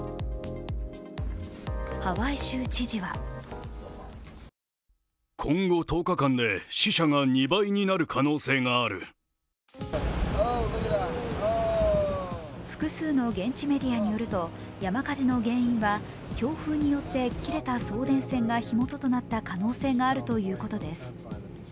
ハワイ州知事は複数の現地メディアによると山火事の原因は強風によって切れた送電線が火元となった可能性があるということです。